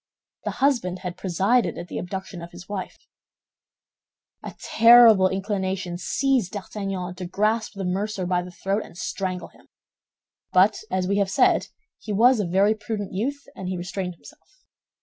The husband had presided at the abduction of his wife. A terrible inclination seized D'Artagnan to grasp the mercer by the throat and strangle him; but, as we have said, he was a very prudent youth, and he restrained himself.